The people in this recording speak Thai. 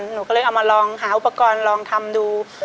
หนูก็เลยเอามาลองหาอุปกรณ์ลองทำดู